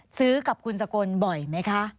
ซื้อกับคุณสกลบ่อยไหมคะ